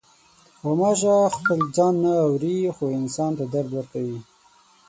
غوماشه خپل ځان نه اوري، خو انسان ته درد ورکوي.